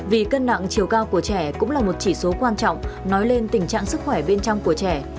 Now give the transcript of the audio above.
vì cân nặng chiều cao của trẻ cũng là một chỉ số quan trọng nói lên tình trạng sức khỏe bên trong của trẻ